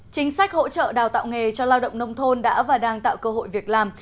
chính sách hỗ trợ đào tạo nghề cho lao động nông thôn đã và đang tạo cơ hội việc làm